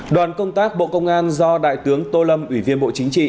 đoàn công tác bộ công an do đại tướng tô lâm ủy viên bộ chính trị